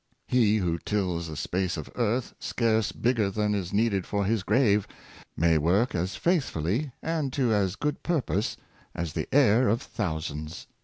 He who tills a space of earth scarce bigger than is needed for his grave, may work as faith fully, and to as good purpose, as the heir of thousands.